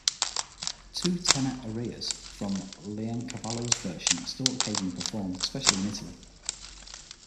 Two tenor arias from Leoncavallo's version are still occasionally performed, especially in Italy.